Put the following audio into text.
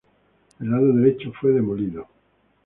El lado derecho fue demolido.